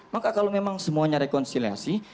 maka kalau memang semuanya rekonsiliasi